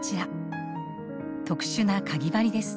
特殊なかぎ針です。